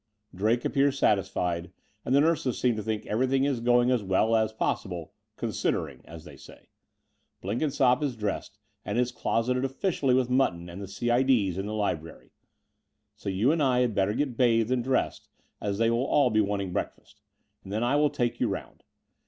Drake appears satisfied, and the nurses seem to think everything is going as well as possible 'considering,' as they say. Blenkinsopp is dressed and is closeted oflficially with Mutton and the C.I.D.'s in the library. So you and I had better get bathed and dressed, as they will all be wanting breakfast: and then I will take you round.